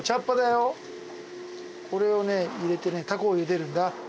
これをね入れてねたこをゆでるんだ。